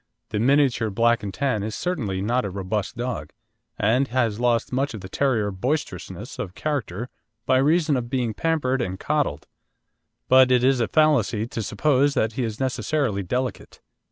The Miniature Black and Tan is certainly not a robust dog, and he has lost much of the terrier boisterousness of character by reason of being pampered and coddled; but it is a fallacy to suppose that he is necessarily delicate.